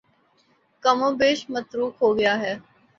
کم و بیش متروک ہو گیا ہے